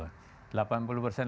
kita bisa sembuh total